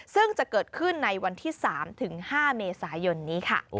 ซึ่งจะเกิดขึ้นในวันที่๓ถึง๕เมษายนนี้ค่ะ